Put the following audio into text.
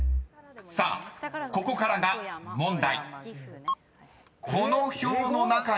［さあここからが問題］